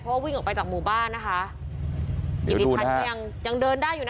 เพราะว่าวิ่งออกไปจากหมู่บ้านนะคะกิติพันธ์ก็ยังยังเดินได้อยู่นะ